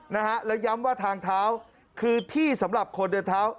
นะฮะและย้ำว่าทางเท้าคือที่สำหรับคนเดินเท้า